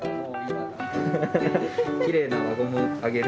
きれいな輪ゴムあげる。